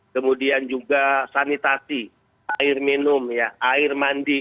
kemudian juga sanitasi air minum air mandi